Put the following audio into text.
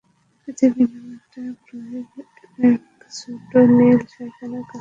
পৃথিবী নামে একটা গ্রহের এক ছোট্ট নীল শয়তানের কাছ থেকে।